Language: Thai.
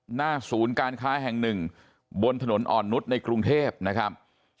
หน้าศูนย์การค้าแห่งหนึ่งบนถนนอ่อนนุษย์ในกรุงเทพนะครับ